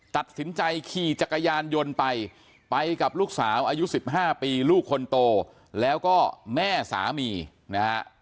ตัดสินใจขี่จักรยานยนต์ไปไปกับลูกสาวอายุ๑๕ปีลูกคนโตแล้วก็แม่สามีนะฮะ